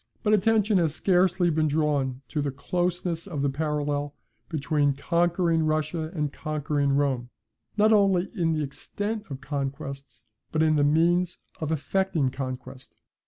But attention has scarcely been drawn to the closeness of the parallel between conquering Russia and conquering Rome, not only in the extent of conquests, but in the means of effecting conquest.